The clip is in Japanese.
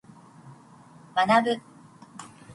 学ぶ。